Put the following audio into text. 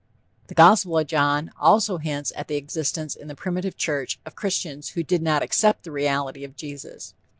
The gospel of John also hints at the existence in the primitive church of Christians who did not accept the reality of Jesus.